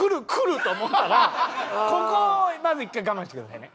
ここをまず一回我慢してくださいね。